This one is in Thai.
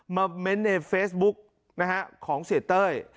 มาเม้นท์ในเฟซบุ๊คนะฮะของเศรษฐ์เตย